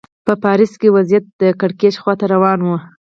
په پاریس کې وضعیت د کړکېچ خوا ته روان و.